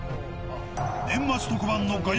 年末特番のがや